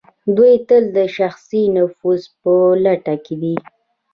دوی تل د شخصي نفوذ په لټه کې دي.